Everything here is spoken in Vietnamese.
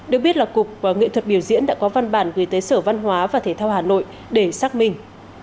được biết là cục nghệ thuật biểu diễn đã có văn bản gửi tới sở văn hóa và thể thao hà nội để xác minh